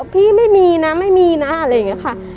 พี่ไม่มีนะไม่มีนะอะไรอย่างนี้ค่ะ